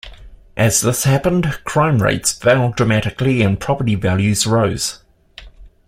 As this happened, crime rates fell dramatically and property values rose.